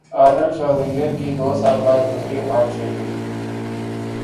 Arnold Schwarzenegger کی دو سال بعد دوسری ہارٹ سرجری